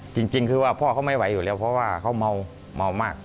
จริงคือว่าพ่อเขาไม่ไหวอยู่แล้วเพราะว่าเขาเมามาก